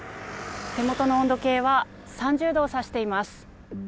手元の温度計は３０度を指しています。